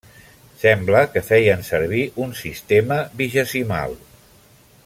Sembla que feien servir un sistema vigesimal.